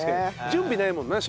準備ないもんな